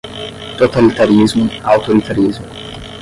Totalitarismo, autoritarismo